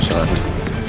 gue harus selalu